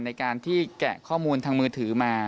ในการที่แกะข้อมูลทางมือถือมา